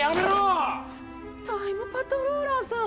タイムパトローラーさん！